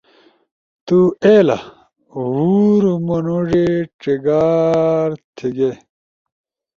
تُو ایلا؟ ہور منُوڙے چیگار تھے گے